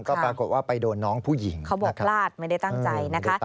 ก็ปรากฏว่าไปโดนน้องผู้หญิงเขาบอกพลาดไม่ได้ตั้งใจนะคะ